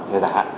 thẻ giả hạn